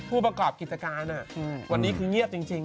ผู้ประกอบกิจการวันนี้คือเงียบจริง